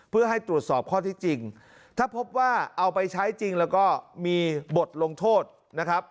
เพื่อให้ตรวจสอบข้อที่จริงถ้าพบว่าเอาไปใช้จริงแล้วก็มีบทลงโทษนะครับ